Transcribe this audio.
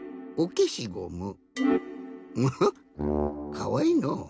かわいいのう。